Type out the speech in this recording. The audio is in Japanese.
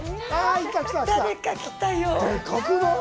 誰か来たよ。